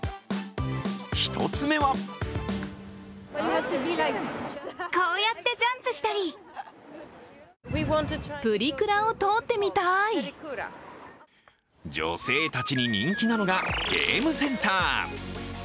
１つ目は女性たちに人気なのがゲームセンター。